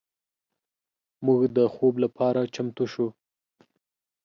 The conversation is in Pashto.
موږ د خوب لپاره چمتو شو.